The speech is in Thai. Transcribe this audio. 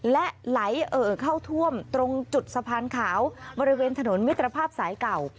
และไหลเอ่อเข้าท่วมตรงจุดสะพานขาวบริเวณถนนมิตรภาพสายเก่า